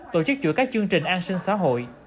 tổ chức chuỗi các chương trình an sinh xã hội